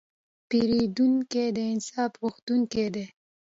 پیرودونکی د انصاف غوښتونکی دی.